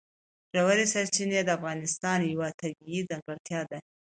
ژورې سرچینې د افغانستان یوه طبیعي ځانګړتیا ده.